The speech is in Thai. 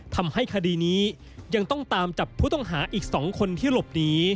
ทำให้คดีนี้ยังต้องตามจับผู้ต้องหาอีก๒คนที่หลบหนี